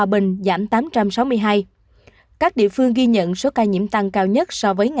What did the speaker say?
bắc giang hai chín trăm bảy mươi tám